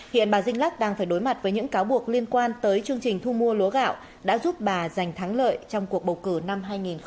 hiện bà zinglak đang phải đối mặt với những cáo buộc liên quan tới chương trình thu mua lúa gạo đã giúp bà giành thắng lợi trong cuộc bầu cử năm hai nghìn một mươi sáu